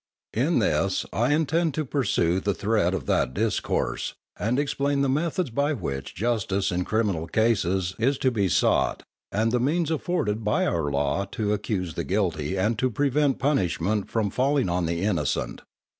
In this, I intend to pursue the thread of that discourse, and explain the methods by which Justice in criminal cases is to be sought, and the means afforded by our Law to accuse the guilty and to prevent punishment from falling on the innocent.